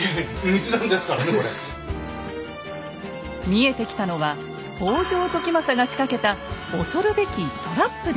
見えてきたのは北条時政が仕掛けた恐るべきトラップでした。